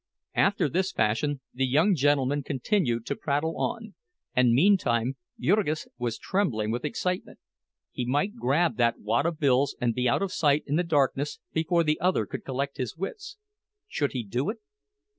After this fashion the young gentleman continued to prattle on—and meantime Jurgis was trembling with excitement. He might grab that wad of bills and be out of sight in the darkness before the other could collect his wits. Should he do it?